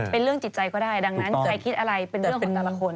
เป็นเรื่องจิตใจก็ได้ดังนั้นใครคิดอะไรเป็นเรื่องของแต่ละคน